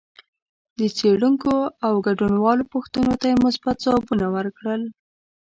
د څېړونکو او ګډونوالو پوښتنو ته یې مثبت ځوابونه ورکړل